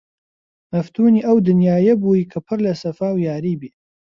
مەفتونی ئەو دنیایە بووی کە پڕ لە سەفا و یاری بێ!